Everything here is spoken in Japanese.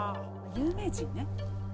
有名人ね。